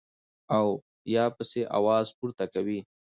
او يا پسې اواز پورته کوي -